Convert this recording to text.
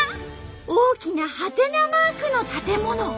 大きなはてなマークの建物。